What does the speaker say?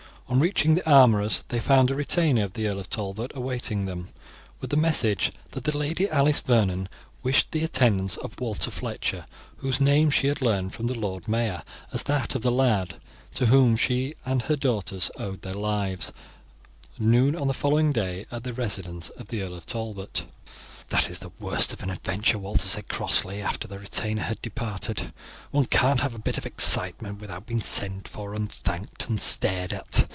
On reaching the armourer's they found a retainer of the Earl of Talbot awaiting them, with the message that the Lady Alice Vernon wished the attendance of Walter Fletcher, whose name she had learned from the Lord Mayor as that of the lad to whom she and her daughter owed their lives, at noon on the following day, at the residence of the Earl of Talbot. "That is the worst of an adventure," Walter said crossly, after the retainer had departed. "One can't have a bit of excitement without being sent for, and thanked, and stared at.